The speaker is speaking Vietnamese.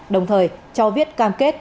đồng thời cho viết cam kết